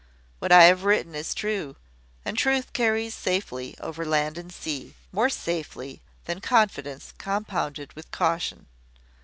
What I have written is true; and truth carries safely over land and sea more safely than confidence compounded with caution.